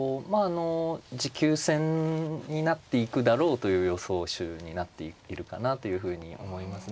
持久戦になっていくだろうという予想手になっているかなというふうに思いますね。